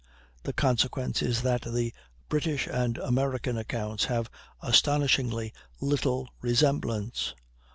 The consequence is that the British and American accounts have astonishingly little resemblance.